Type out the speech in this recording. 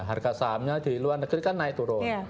harga sahamnya di luar negeri kan naik turun